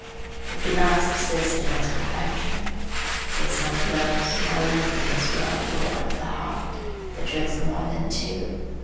It cannot subsist in its perfection, say some of those who are learned in this warm lore of the heart, betwixt more than two.